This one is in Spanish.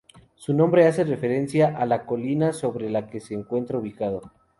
Su nombre hace referencia a la colina sobre la que se encuentra ubicado.